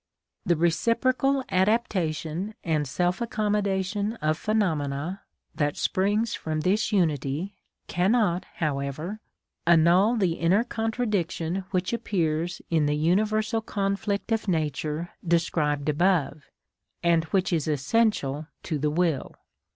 The reciprocal adaptation and self accommodation of phenomena that springs from this unity cannot, however, annul the inner contradiction which appears in the universal conflict of nature described above, and which is essential to the will.